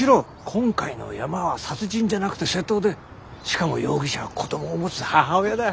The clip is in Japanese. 今回のヤマは殺人じゃなくて窃盗でしかも容疑者は子供を持つ母親だ。